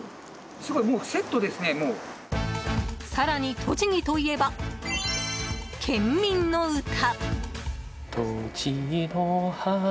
更に、栃木といえば「県民の歌」。